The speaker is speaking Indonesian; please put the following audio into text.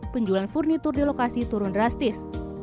penjualan furnitur di lokasi turun drastis